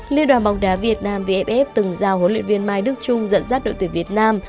liên đoàn bóng đá việt nam vff từng giao huấn luyện viên mai đức trung dẫn dắt đội tuyển việt nam